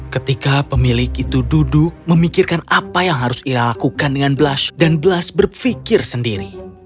ketika pemilik itu duduk memikirkan apa yang harus ia lakukan dengan blush dan belas berpikir sendiri